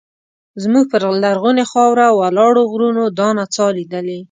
زموږ پر لرغونې خاوره ولاړو غرونو دا نڅا لیدلې.